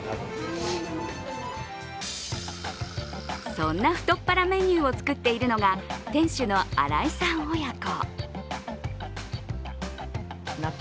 そんな太っ腹メニューを作っているのが店主の荒井さん親子。